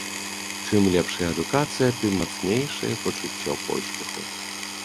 Чым лепшая адукацыя, тым мацнейшае пачуццё поспеху.